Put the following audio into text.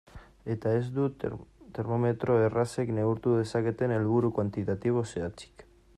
Eta ez du termometro errazek neurtu dezaketen helburu kuantitatibo zehatzik.